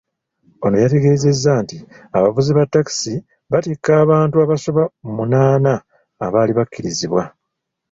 Ono yategeezezza nti abavuzi ba takisi batikka abantu abasoba mu munaana abaali bakkirizibwa.